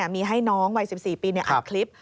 มีให้น้องวัย๑๔ปีอัดคลิป